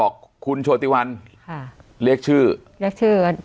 คุณชวดีวันเรียกชื่อ